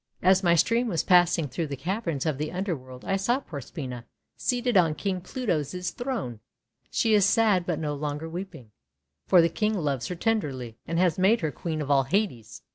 As my stream was passing through the caverns of the underworld I saw Proserpina seated on King Pluto's throne. She is sad but no longer weeping, for the King loves her tenderly, and has made her Queen of all Hades."